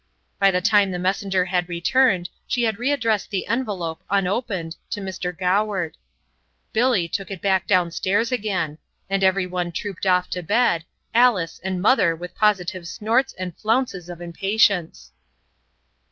By the time the messenger had returned she had readdressed the envelope, unopened, to Mr. Goward. Billy took it back down stairs again; and every one trooped off to bed, Alice and mother with positive snorts and flounces of impatience.